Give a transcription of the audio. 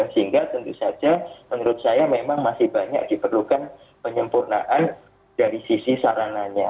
sehingga tentu saja menurut saya memang masih banyak diperlukan penyempurnaan dari sisi sarananya